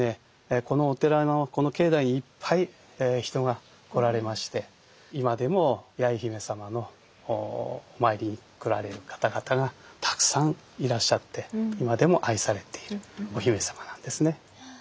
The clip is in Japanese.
このお寺のこの境内いっぱい人が来られまして今でも八重姫様のお参りに来られる方々がたくさんいらっしゃって今でも愛されているお姫様なんですね。